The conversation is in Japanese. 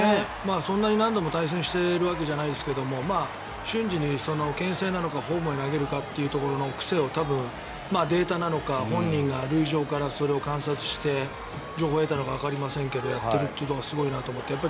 そんなに何度も対戦しているわけではないですが瞬時に、けん制なのかホームへ投げるのかって癖をデータなのか本人が塁上から観察して情報を得たのかわかりませんがやっているのがすごいと思って。